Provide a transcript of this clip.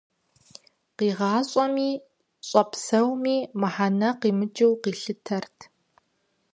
Къигъащӏэми щӏэпсэуми мыхьэнэ къимыкӏыу къилъытэрт.